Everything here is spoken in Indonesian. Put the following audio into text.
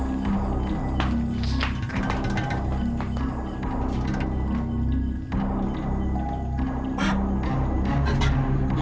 isi pak pak pak